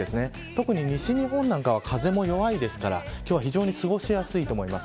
特に西日本は風も弱いですから今日は非常に過ごしやすいと思います。